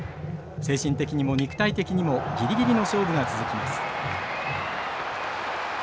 精神的にも肉体的にもギリギリの勝負が続きます。